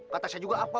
kata saya juga apa